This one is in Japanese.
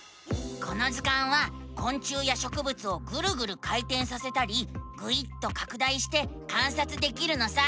この図鑑はこん虫やしょくぶつをぐるぐる回てんさせたりぐいっとかく大して観察できるのさ！